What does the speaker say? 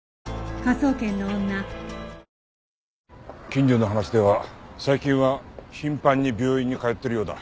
近所の話では最近は頻繁に病院に通っているようだ。